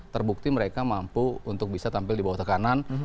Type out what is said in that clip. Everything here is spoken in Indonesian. terbukti mereka mampu untuk bisa tampil di bawah tekanan